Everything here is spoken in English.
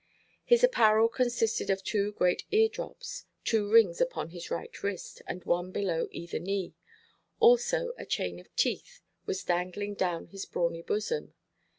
His apparel consisted of two great ear–drops, two rings upon his right wrist, and one below either knee; also a chain of teeth was dangling down his brawny bosom.